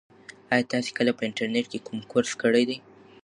ایا تاسي کله په انټرنيټ کې کوم کورس کړی دی؟